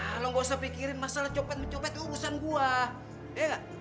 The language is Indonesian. ah lo gausah pikirin masalah copet mecopet urusan gua iya ga